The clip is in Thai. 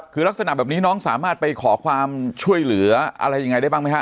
คือลักษณะแบบนี้น้องสามารถไปขอความช่วยเหลืออะไรยังไงได้บ้างไหมฮะ